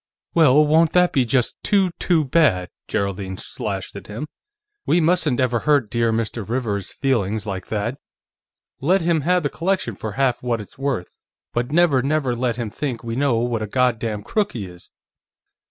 "Well, won't that be just too, too bad!" Geraldine slashed at him. "We mustn't ever hurt dear Mr. Rivers's feelings like that. Let him have the collection for half what it's worth, but never, never let him think we know what a God damned crook he is!"